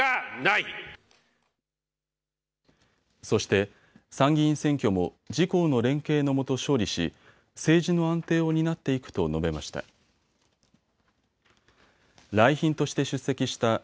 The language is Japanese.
そして参議院選挙も自公の連携のもと勝利し政治の安定を担っていくと述べました。